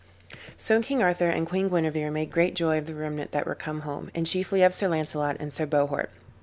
So King Arthur and Queen Guenever made great joy of the remnant that were come home, and chiefly of Sir Launcelot and Sir Bohort.